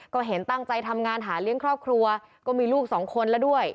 ก็เห็นตั้งใจทำงานหาเลี้ยงครอบครัวก็มีลูกสองคนแล้วด้วย